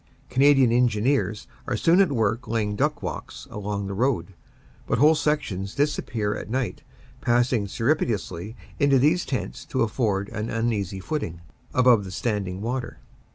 Canadian Engineers are soon at work laying duck walks along the road, but whole sections disappear at night, passing surreptitiously into these tents to afford an uneasy footing above the standing water.